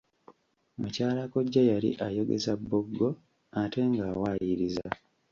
Mukyala kkojja yali ayogeza bboggo ate ng'awaayiriza.